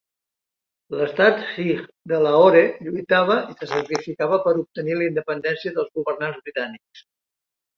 L'Estat Sikh de Lahore lluitava i se sacrificava per obtenir la independència dels governants britànics.